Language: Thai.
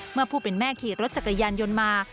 เมื่อผู้เป็นแม่ขี่รถจักรยานยนต์มา